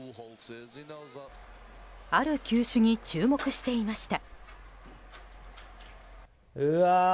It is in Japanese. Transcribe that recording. ある球種に注目していました。